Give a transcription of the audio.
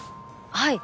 はい！